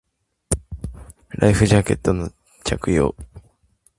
ライフジャケットの着用